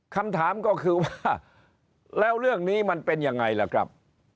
คำถามก็คือว่าแล้วเรื่องนี้มันเป็นยังไงล่ะครับ